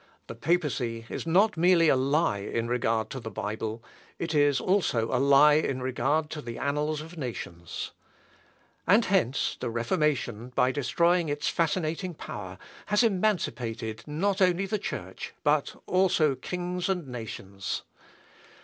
The papacy is not merely a lie in regard to the Bible, it is also a lie in regard to the annals of nations. And hence the Reformation, by destroying its fascinating power, has emancipated not only the Church, but also kings and nations.